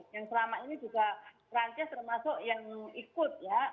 yang selama ini juga perancis termasuk yang ikut ya